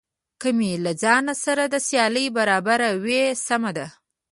که مې له ځان سره د سیالۍ برابر وي سمه ده.